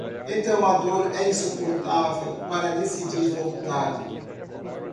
Então a dor é insuportável para decidir voltar